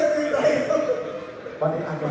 คุณต้องการอะไร